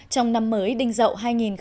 trong năm mới đinh dậu hai nghìn một mươi bảy